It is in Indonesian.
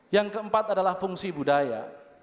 yang keempat adalah fungsi budaya